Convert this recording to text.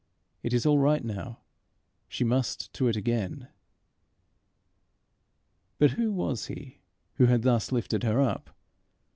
It is all right now; she must to it again. But who was he who had thus lifted her up?